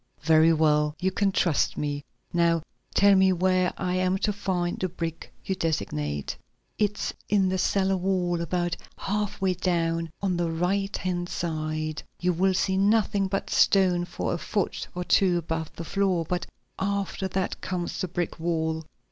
"Very well, you can trust me. Now tell me where I am to find the brick you designate." "It's in the cellar wall, about half way down on the right hand side. You will see nothing but stone for a foot or two above the floor, but after that comes the brick wall.